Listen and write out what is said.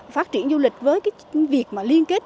phát triển du lịch với việc liên kết